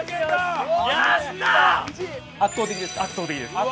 圧倒的ですか？